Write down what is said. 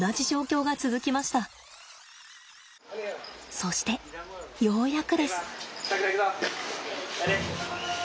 そしてようやくです。